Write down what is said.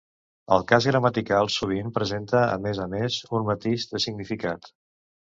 El cas gramatical sovint presenta a més a més un matís de significat.